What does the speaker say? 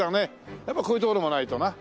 やっぱこういう所もないとな。